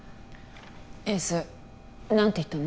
エース何て言ったの？